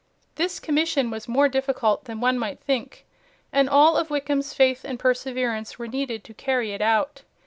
This commission was more difficult than one might think, and all of Wickham's faith and perseverance were needed to carry it out.